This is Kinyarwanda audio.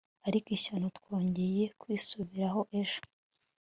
ariko, ishyano! twongeye kwisubiraho ejo